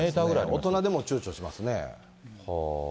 大人でもちゅうちょしますね。